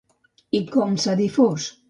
I com s'ha difós?